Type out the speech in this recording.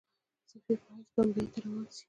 سفیر په حیث بمبیی ته روان سي.